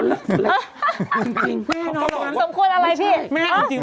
สมควรอะไรพี่